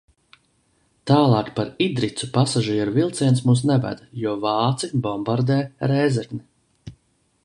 Tālāk par Idricu pasažieru vilciens mūs neved, jo vāci bombardē Rēzekni.